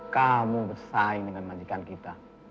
kamu bersaing dengan majikan kita